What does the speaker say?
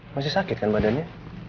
masih sakit kan badannya